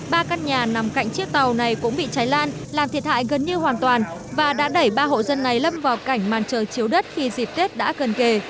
ba căn nhà nằm cạnh chiếc tàu này cũng bị cháy lan làm thiệt hại gần như hoàn toàn và đã đẩy ba hộ dân này lâm vào cảnh màn trời chiếu đất khi dịp tết đã gần kề